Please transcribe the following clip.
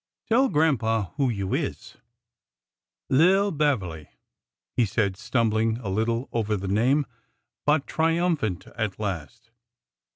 Tell grandpa who you is." LiT — Bev'ly," he said, stumbling a little over the name, but triumphant at last.